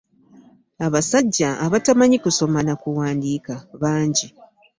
Abasajja abatamanyi kusoma na kuwandiika bangi.